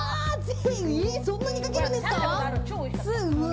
そんなにかけるんですか？